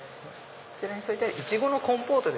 こちらに添えてあるイチゴのコンポートで。